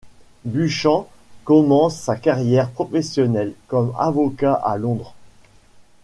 Buchan commence sa carrière professionnelle comme avocat à Londres.